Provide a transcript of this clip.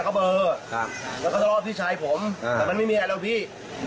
แล้วก็ตลอดพี่ชายผมตอนนั้นมันไม่มีอะไรแล้วพี่